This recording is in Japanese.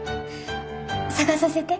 探させて。